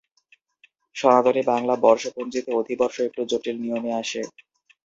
সনাতনী বাংলা বর্ষপঞ্জিতে অধিবর্ষ একটু জটিল নিয়মে আসে।